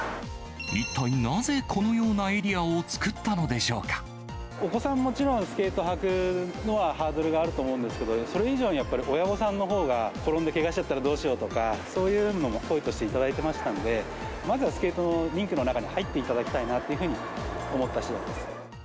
一体なぜこのようなエリアをお子さん、もちろん、スケート履くのはハードルがあると思うんですけど、それ以上に、やっぱり親御さんのほうが転んでけがしちゃったらどうしようとか、そういうのも声としていただいてましたんで、まずはスケートのリンクの中に入っていただきたいなというふうに思った次第です。